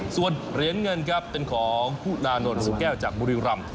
ส่วนเหรียญเงินครับเป็นของคุณนานนท์สุแก้วจากบุรีรำ